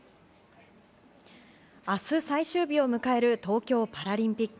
明日、最終日を迎える東京パラリンピック。